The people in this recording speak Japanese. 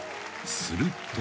［すると］